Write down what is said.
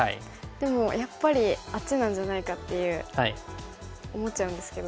でもやっぱりあっちなんじゃないかっていう思っちゃうんですけど。